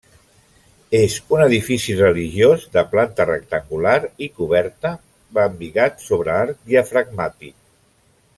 És un edifici religiós de planta rectangular i coberta amb embigat sobre arc diafragmàtic.